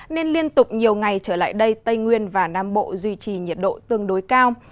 nên liên tục nhiều ngày trở lại đây tây nguyên và nam bộ duy trì nhiệt độ tương đối cao